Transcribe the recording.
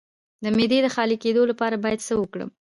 د معدې د خالي کیدو لپاره باید څه وکړم؟